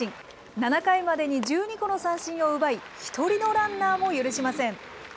７回までに１２個の三振を奪い、１人のランナーも許しません。